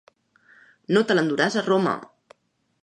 No te l'enduràs a Roma.